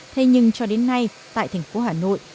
thế nhưng cho đến nay tại thành phố hà nội